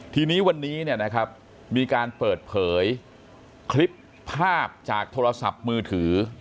ทีนี้วันนี้มีการเปิดเผยคลิปภาพจากโทรศัพท์มือถือ